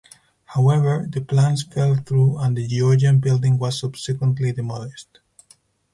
However, the plans fell through and the Georgian building was subsequently demolished.